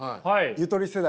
ゆとり世代。